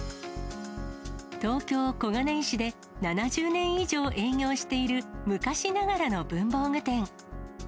東京・小金井市で７０年以上営業している昔ながらの文房具店。